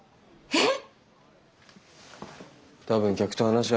えっ？